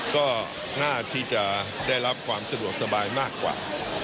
ก็น่าที่จะได้รับความสะดวกสบายมากกว่า